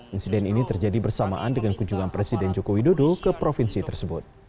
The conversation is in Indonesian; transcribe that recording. insiden ini terjadi bersamaan dengan kunjungan presiden joko widodo ke provinsi tersebut